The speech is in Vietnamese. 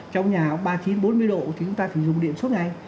trong nhà có ba mươi chín bốn mươi độ thì chúng ta phải dùng điện suốt ngày